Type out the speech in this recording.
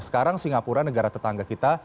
sekarang singapura negara tetangga kita